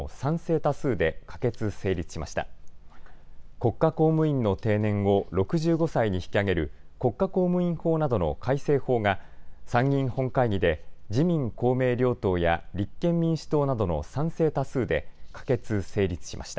国家公務員の定年を６５歳に引き上げる国家公務員法などの改正法が参議院本会議で自民公明両党や立憲民主党などの賛成多数で可決・成立しました。